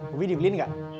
bubi dibeliin gak